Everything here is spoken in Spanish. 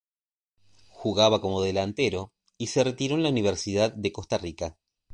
Jugaba como delantero y se retiró en la Universidad de Costa Rica.